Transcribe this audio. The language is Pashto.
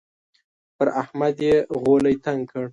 پر احمد يې غولی تنګ کړ.